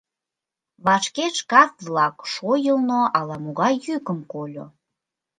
Вашке шкаф-влак шойылно ала-могай йӱкым кольо.